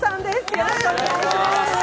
よろしくお願いします。